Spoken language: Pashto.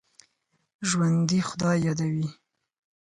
ژوندي خدای یادوي